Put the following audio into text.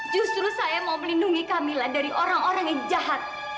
justru saya mau melindungi kami lah dari orang orang yang jahat